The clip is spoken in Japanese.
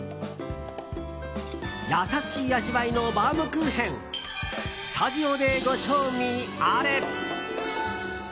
優しい味わいのバームクーヘンスタジオでご賞味あれ。